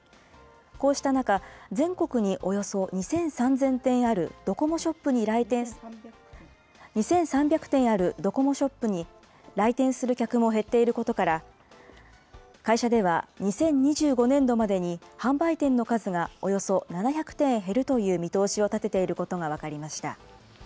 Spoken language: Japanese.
こうした中、全国におよそ２３００店あるドコモショップに来店する客も減っていることから、会社では２０２５年度までに販売店の数がおよそ７００店減るという見通しを立てていることが分かりました。